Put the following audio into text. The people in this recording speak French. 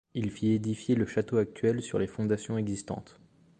Il fit édifier le château actuel sur les fondations existantes.